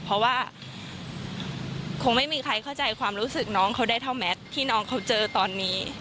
เพราะว่าคงไม่มีใครเข้าใจความรู้สึกน้องเขาได้เท่าแมทที่น้องเขาเจอตอนนี้